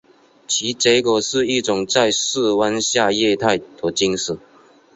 其结果是一种在室温下液态的金属。